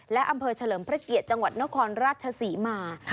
และอำเภอเฉลิมพระเกียรติจังหวัดนครราชศรีมา